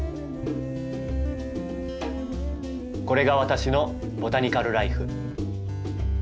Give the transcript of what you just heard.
これが私の「ボタニカル・らいふ」。